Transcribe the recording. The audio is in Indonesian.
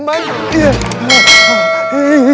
sini aja biar aman